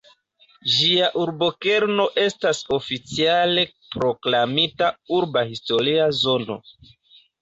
Ĝia urbokerno estas oficiale proklamita "Urba historia zono".